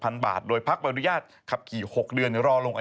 นางรั่วอย่างเนอะ